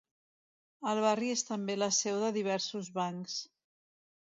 El barri és també la seu de diversos bancs.